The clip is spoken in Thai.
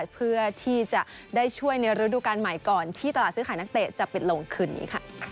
เพื่อที่จะได้ช่วยในฤดูการใหม่ก่อนที่ตลาดซื้อขายนักเตะจะปิดลงคืนนี้